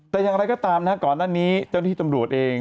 แต่อย่างไรก็ตามก่อนทุกที่นั้นนี้เจ้าหน้าที่ตำรวจเอง